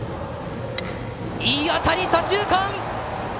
いい当たり、左中間！